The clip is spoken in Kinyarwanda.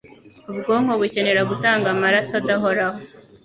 Ubwonko bukenera gutanga amaraso adahoraho.